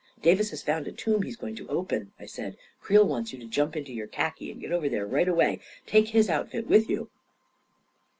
" Davis has found a tomb he's going to open," I said. " Creel wants you to jump into your khaki and get over there right away. Take his outfit with you."